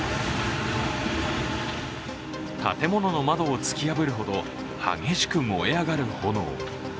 建物の窓を突き破るほど激しく燃え上がる炎。